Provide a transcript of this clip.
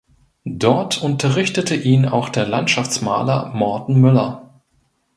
Dort unterrichtete ihn auch der Landschaftsmaler Morten Müller.